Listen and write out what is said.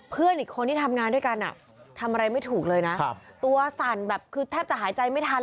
เพี่ยงลงมากรองที่พื้น